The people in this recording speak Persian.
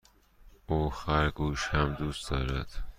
او خرگوش هم دوست دارد.